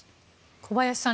小林さん